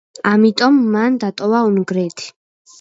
ამიტომ მან დატოვა უნგრეთი.